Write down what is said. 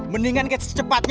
mendingan guys secepatnya